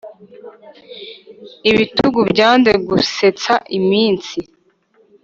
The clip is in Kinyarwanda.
Ibitugu byanze gusetsa iminsi,